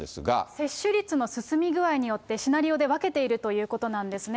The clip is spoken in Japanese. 接種率の進み具合によって、シナリオで分けているということなんですね。